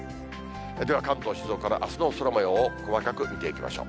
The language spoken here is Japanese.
では関東、静岡のあすの空もようを細かく見ていきましょう。